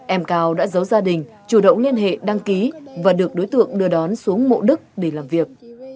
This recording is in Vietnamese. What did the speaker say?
em cao đã giấu gia đình chủ động liên hệ đăng ký và được đối tượng đưa đón xuống mộ đức để làm việc